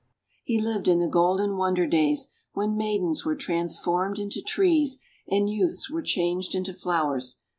He lived in the golden wonder days when maidens were trans formed into trees, and youths were changed into flowers.